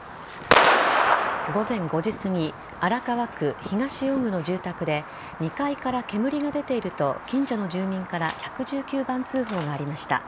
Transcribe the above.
午前５時すぎ荒川区東尾久の住宅で２階から煙が出ていると近所の住民から１１９番通報がありました。